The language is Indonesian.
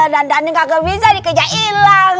dan danding kagak bisa dikejar ilang